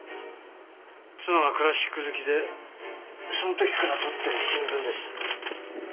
妻がクラシック好きでその時から取ってる新聞です。